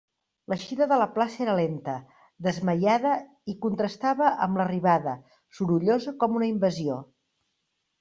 L'eixida de la plaça era lenta, desmaiada, i contrastava amb l'arribada, sorollosa com una invasió.